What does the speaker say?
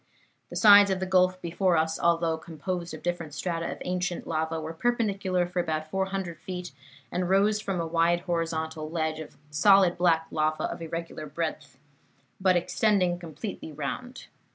The sides of the gulf before us, although composed of different strata of ancient lava, were perpendicular for about 400 feet, and rose from a wide horizontal ledge of solid black lava of irregular breadth, but extending completely round.